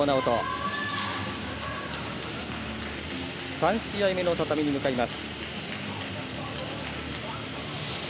３試合目の畳に向かいます。